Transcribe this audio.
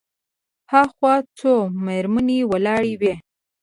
هاخوا څو مېرمنې ولاړې وې.